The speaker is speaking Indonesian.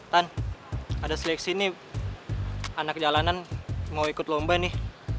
tan ada seleksi nih anak jalanan mau ikut lomba nih